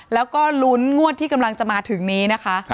แล้วก็ลุ้นงวดที่กำลังจะมาถึงนี้นะคะ